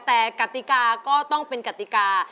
แต่กติกาก็ต้องเป็นกติกา